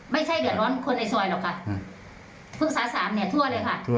ไม่ใช่เดือดร้อนคนในซอยหรอกค่ะปรึกษาสามเนี่ยทั่วเลยค่ะ